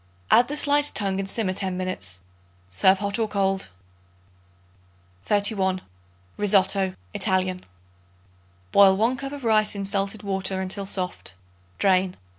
Add the sliced tongue and simmer ten minutes. Serve hot or cold. 31. Rissotto (ITALIAN). Boil 1 cup of rice in salted water until soft; drain.